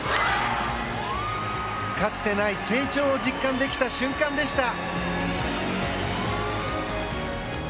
かつていない成長を実感できた瞬間でした。